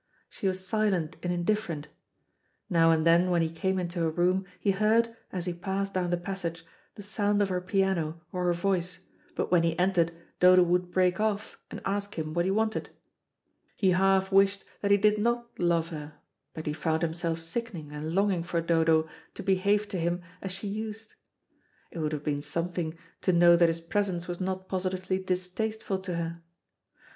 She was silent and indifferent. Now and then when he came into her room he heard, as he passed down the passage, the sound of her piano or her voice, but when he entered Dodo would break off and ask him what he wanted. He half wished that he did not love her, but he found himself sickening and longing for Dodo to behave to him as she used. It would have been something to know that his presence was not positively distasteful to her.